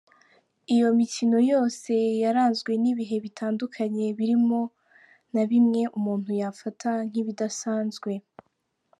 Iyo mikino yose yaranzwe n’ibihe bitandukanye, birimo na bimwe umuntu yafata nk’ibidasanzwe.